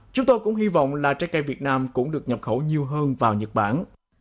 chúng tôi cũng hy vọng là trái cây việt nam cũng được nhập khẩu nhiều hơn vào nhật bản